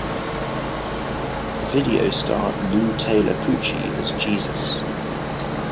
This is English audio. The video starred Lou Taylor Pucci as Jesus.